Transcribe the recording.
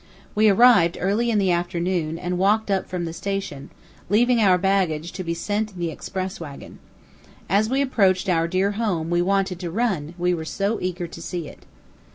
We arrived early in the afternoon and walked up from the station, leaving our baggage to be sent in the express wagon. As we approached our dear home, we wanted to run, we were so eager to see it.